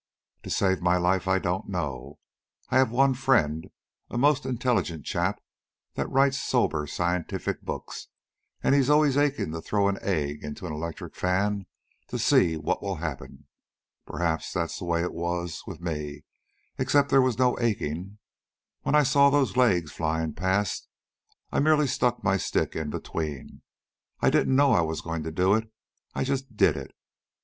"To save my life, I don't know. I have one friend, a most intelligent chap that writes sober, scientific books, and he's always aching to throw an egg into an electric fan to see what will happen. Perhaps that's the way it was with me, except that there was no aching. When I saw those legs flying past, I merely stuck my stick in between. I didn't know I was going to do it. I just did it.